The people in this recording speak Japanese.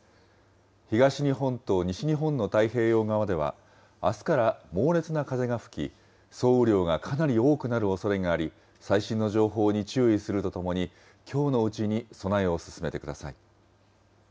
東日本と西日本の太平洋側では、あすから猛烈な風が吹き、総雨量がかなり多くなるおそれがあり、最新の情報に注意するとともに、きょうのうちに備えを進めてください。